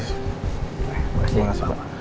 terima kasih pak